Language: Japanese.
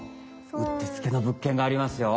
うってつけの物件がありますよ。